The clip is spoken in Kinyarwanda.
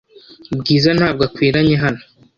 Bwiza ntabwo akwiranye hano .